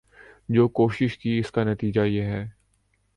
جو کوشش کی اس کا نتیجہ یہ ہے ۔